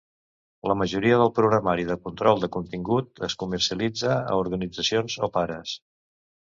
La majoria del programari de control de contingut es comercialitza a organitzacions o pares.